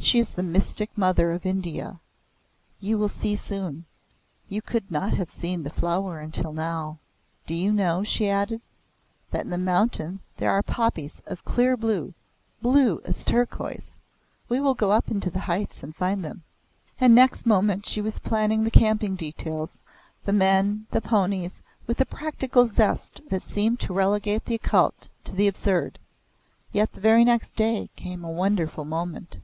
She is the Mystic Mother of India. You will see soon. You could not have seen the flower until now." "Do you know," she added, "that in the mountains there are poppies of clear blue blue as turquoise. We will go up into the heights and find them." And next moment she was planning the camping details, the men, the ponies, with a practical zest that seemed to relegate the occult to the absurd. Yet the very next day came a wonderful moment.